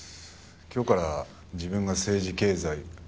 今日から自分が政治経済。